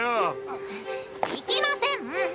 んっ行きません！